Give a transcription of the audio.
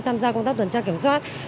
tham gia công tác tuần tra kiểm soát